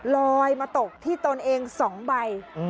ลอยมาตกที่ตนเอง๒ใบ